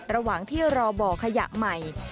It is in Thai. ระหว่างที่รอบ่อขยะใหม่